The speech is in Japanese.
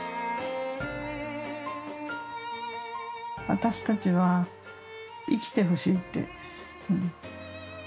私たちは「生きてほしい」って。